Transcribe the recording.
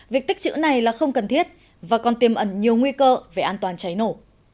việc tích chữ này là không cần thiết và còn tiêm ẩn nhiều nguy cơ về an toàn cháy nổ